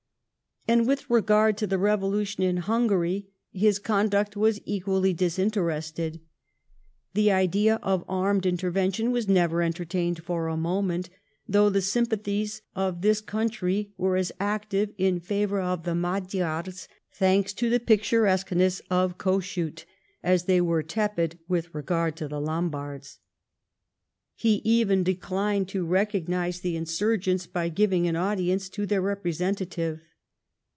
And with regard to the revolution in Hungary, his conduct was equally dis interested. Tbe idea of armed intervention was never entertained for a moment, though the sympathies of this country were as active in favour of the Magyars — thanks to the picturesqueness of Kossuth — as they were tepid with regard to the Lombards. He even declined to recognize the insurgents by giving an audience to their representative.